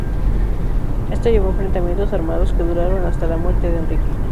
Esto llevó a enfrentamientos armados que duraron hasta la muerte de Enrique.